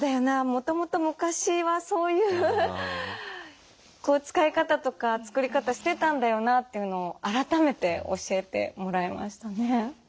もともと昔はそういう使い方とか作り方してたんだよなというのを改めて教えてもらえましたね。